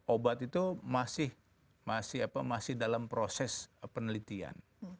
obat itu masih dalam proses penelitian